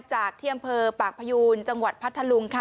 จากที่อำเภอปากพยูนจังหวัดพัทธลุงค่ะ